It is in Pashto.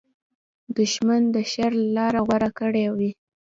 دښمن د شر لاره غوره کړې وي